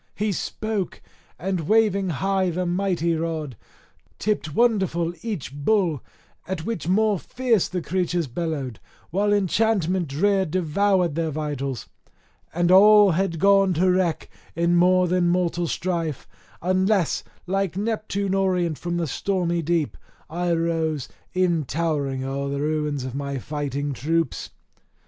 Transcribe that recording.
He spoke, and waving high the mighty rod, tipped wonderful each bull, at which more fierce the creatures bellowed, while enchantment drear devoured their vitals. And all had gone to wreck in more than mortal strife, unless, like Neptune orient from the stormy deep, I rose, e'en towering o'er the ruins of my fighting troops.